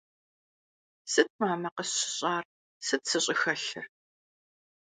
Сыт, мамэ, къысщыщӏар, сыт сыщӏыхэлъыр?